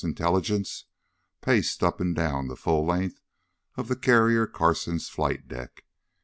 Intelligence, paced up and down the full length of the Carrier Carson's flight deck.